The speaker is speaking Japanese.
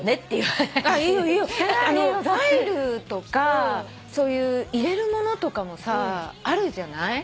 ファイルとかそういう入れるものとかもあるじゃない？